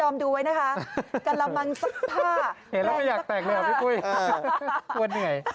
พูดเหนื่อย